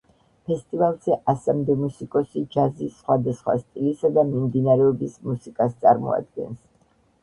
ფესტივალზე ასამდე მუსიკოსი ჯაზის სხვადასვხა სტილისა თუ მიმდინარეობის მუსიკას წარმოადგენს.